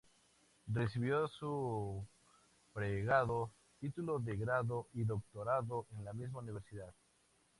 Recibió su pregrado, título de grado y doctorado en la misma universidad.